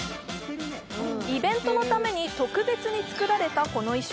イベントのために特別に作られたこの衣装。